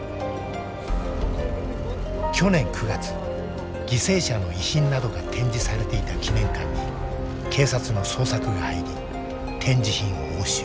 去年９月犠牲者の遺品などが展示されていた記念館に警察の捜索が入り展示品を押収。